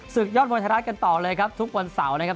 ยอดมวยไทยรัฐกันต่อเลยครับทุกวันเสาร์นะครับ